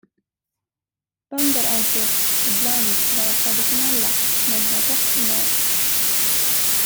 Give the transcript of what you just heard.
Bönder anses i bland vara traditionella men har gott humör.